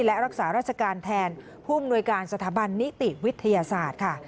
และรักษาราชการแทนผู้อำนวยการสถาบันนิติวิทยาศาสตร์ค่ะ